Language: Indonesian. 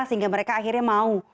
sehingga mereka akhirnya mau